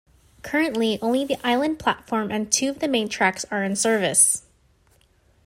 Currently, only the island platform and two of the main tracks are in service.